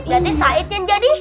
berarti said yang jadi